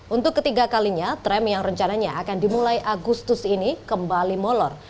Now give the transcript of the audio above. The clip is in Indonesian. untuk ketiga kalinya tram yang rencananya akan dimulai agustus ini kembali molor